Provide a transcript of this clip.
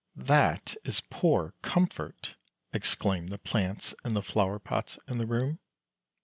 " That is poor comfort! " exclaimed the plants in the flower pots in the room.